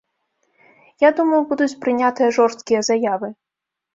Я думаю, будуць прынятыя жорсткія заявы.